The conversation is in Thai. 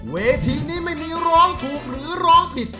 เวทีนี้ไม่มีร้องถูกหรือร้องผิด